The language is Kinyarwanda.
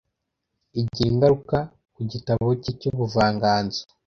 igira ingaruka ku gitabo cye cy'ubuvanganzo